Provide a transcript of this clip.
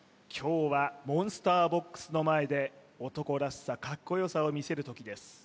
今日はモンスターボックスの前で男らしさカッコよさを見せる時です